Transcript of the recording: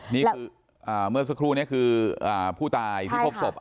นี่คืออ่าเมื่อสักครู่นี้คืออ่าผู้ตายที่พบศพใช่ค่ะ